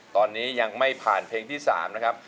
ตอนนี้ยังไม่ผ่านเพลงที่๓นะครับ